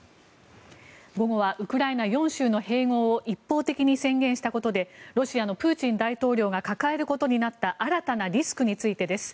午後はウクライナ４州の併合を一方的に宣言したことでロシアのプーチン大統領が抱えることになった新たなリスクについてです。